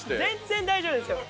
全然大丈夫ですよ。